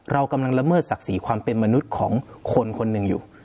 เรากำลังละเมิดศักดิ์ศรีความเป็นมนุษย์ของคนคนหนึ่งอยู่